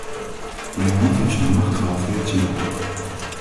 Mijn land heeft zijn macht gehalveerd zien worden.